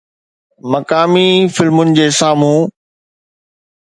مقامي فلمن جي سامهون